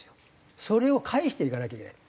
それを返していかなきゃいけない。